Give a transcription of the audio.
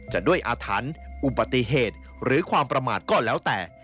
จะด้วยอาถรรพ์อุบัติเหตุหรือความประมาทก็แล้วแต่